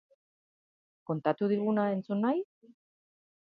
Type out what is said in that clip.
Kontatu diguna entzun nahi?